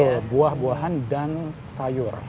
betul buah buahan dan sayur